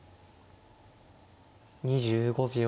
２５秒。